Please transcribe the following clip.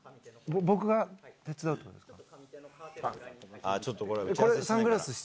僕が手伝うってことですか？